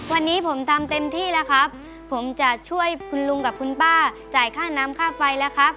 วันนี้ผมทำเต็มที่แล้วครับผมจะช่วยคุณลุงกับคุณป้าจ่ายค่าน้ำค่าไฟแล้วครับ